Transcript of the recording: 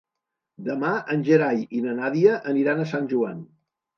Demà en Gerai i na Nàdia aniran a Sant Joan.